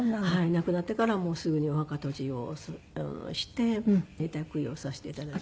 亡くなってからもうすぐにお墓閉じをして永代供養をさせて頂いて。